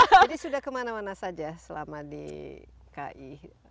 jadi sudah kemana mana saja selama di ki